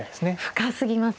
深すぎます。